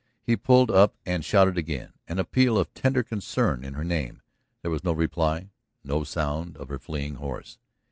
He pulled up and shouted again, an appeal of tender concern in her name. There was no reply, no sound of her fleeing horse.